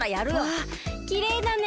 わあきれいだね。